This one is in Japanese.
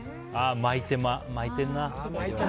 巻いてるな。